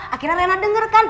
akhirnya rena denger kan